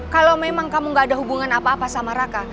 kalau memang kamu gak ada hubungan apa apa sama raka